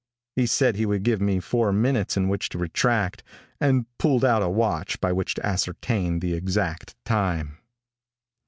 He said he would give me four minutes in which to retract, and pulled out a watch by which to ascertain the exact time.